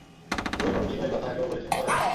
বউয়ের ফটো ছিলো এই কথা আগে ও বলেছেন কত টাকা ছিলো?